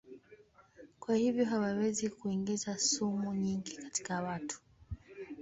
Kwa hivyo hawawezi kuingiza sumu nyingi katika watu.